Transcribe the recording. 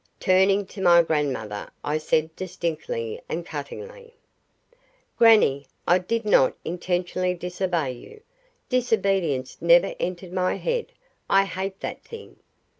Turning to my grandmother, I said distinctly and cuttingly: "Grannie, I did not intentionally disobey you. Disobedience never entered my head. I hate that thing.